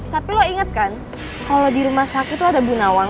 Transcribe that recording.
tapi lu inget kan kalo di rumah sakit lu ada bu nawang